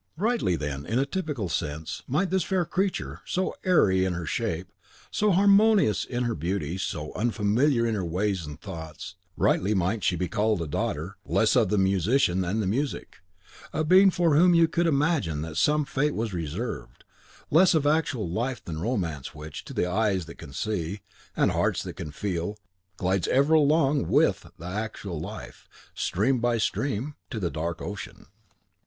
Rightly, then, in a typical sense, might this fair creature, so airy in her shape, so harmonious in her beauty, so unfamiliar in her ways and thoughts, rightly might she be called a daughter, less of the musician than the music, a being for whom you could imagine that some fate was reserved, less of actual life than the romance which, to eyes that can see, and hearts that can feel, glides ever along WITH the actual life, stream by stream, to the Dark Ocean.